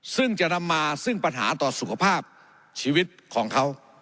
ซึ่งจะนำมาซึ่งปัญหาต่อสุขภาพชีวิตของเขา